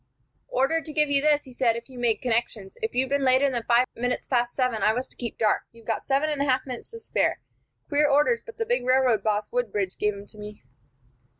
"Ordered to give you this," he said, "if you made connections. If you'd been later than five minutes past seven, I was to keep dark. You've got seven minutes and a half to spare. Queer orders, but the big railroad boss, Woodbridge, gave 'em to me."